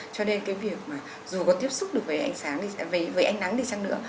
cho nên cái việc mà dù có tiếp xúc được với ánh sáng thì với ánh nắng đi chăng nữa